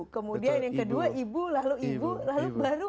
kemudian yang kedua ibu